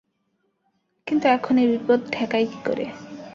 কিন্তু এখন এ বিপদ ঠেকাই কী করে।